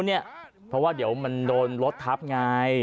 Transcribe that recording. เพราะว่าเดี๋ยวมันโดนรถทับไง